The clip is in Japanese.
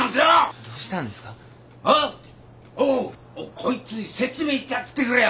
こいつに説明してやってくれよ。